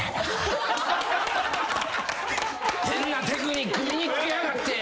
変なテクニック身に付けやがって！